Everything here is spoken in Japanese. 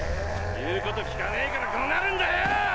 言うこと聞かねぇからこうなるんだよ！